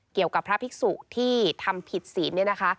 เกี่ยวกับพระภิกษุที่ทำผิดศีล